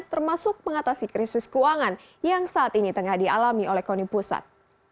termasuk mengatasi krisis keuangan yang saat ini tengah dialami oleh koni pusat